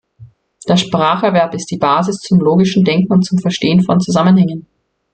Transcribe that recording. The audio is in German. Der Spracherwerb ist die Basis zum logischen Denken und zum Verstehen von Zusammenhängen.